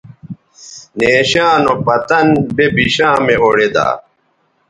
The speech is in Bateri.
نیشاں نو پتن بے بشامےاوڑیدا